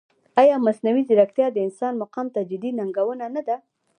ایا مصنوعي ځیرکتیا د انسان مقام ته جدي ننګونه نه ده؟